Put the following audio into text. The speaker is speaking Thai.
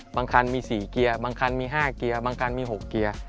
บางคันมี๔เกียร์บางคันมี๕เกียร์บางคันมี๖เกียร์